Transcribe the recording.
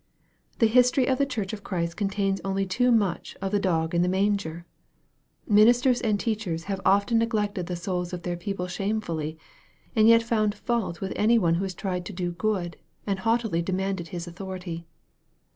The history of the church of Christ contains only too much of the dog in the manger ! Minis ters and teachers have often neglected the souls of their people shame fully, and yet found fault with any one who has tried to do good, and haughtily demanded his authority